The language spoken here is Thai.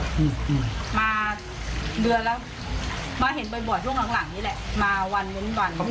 มาเดือนแล้วมาเห็นบ่อยช่วงหลังนี้แหละมาวัน